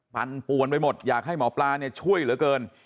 ปั่นปวนไปหมดอยากให้หมอปลาเนี่ยช่วยเหลือเกิน